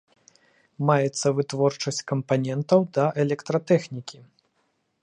Маецца вытворчасць кампанентаў для электратэхнікі.